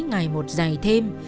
ngày một dày thêm